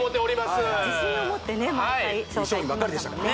確かにね自信を持ってね毎回紹介しましたもんね